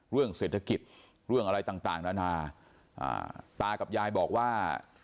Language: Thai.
เรื่องเศรษฐกิจเรื่องอะไรต่างนานาตากับยายบอกว่า